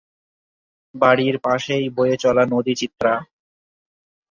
বাড়ির পাশেই বয়ে চলা নদী চিত্রা।